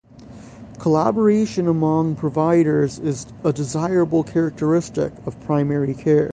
Collaboration among providers is a desirable characteristic of primary care.